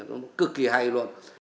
nó cực kỳ hay luôn